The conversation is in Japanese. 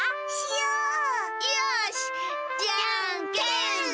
よしじゃんけん。